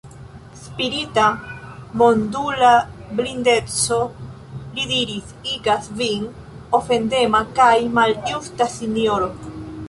Spirita, mondula blindeco, li diris, igas vin ofendema kaj maljusta, sinjoro.